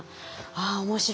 あ面白い。